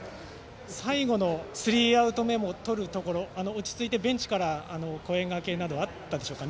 最後のスリーアウト目をとるところでも落ち着いてベンチから声がけがあったでしょうか。